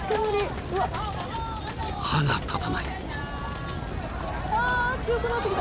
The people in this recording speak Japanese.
［歯が立たない］